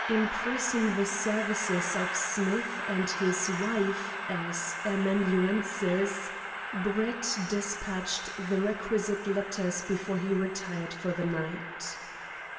Impressing the services of Smith and his wife as amanuenses, Brett despatched the requisite letters before he retired for the night.